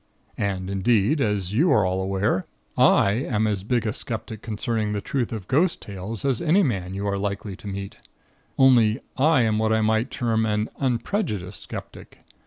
And, indeed, as you are all aware, I am as big a skeptic concerning the truth of ghost tales as any man you are likely to meet; only I am what I might term an unprejudiced skeptic.